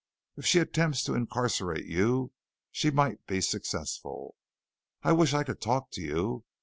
If she attempts to incarcerate you, she might be successful. I wish I could talk to you.